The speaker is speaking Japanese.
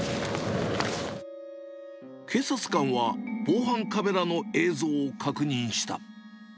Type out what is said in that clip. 警察官は、防犯カメラの映像を確認した。